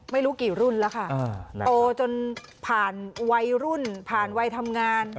ไม่รู้กี่รุ่นแล้วค่ะโตจนผ่านวัยรุ่นผ่านวัยทำงาน